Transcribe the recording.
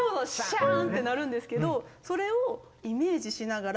シャーンって鳴るんですけど。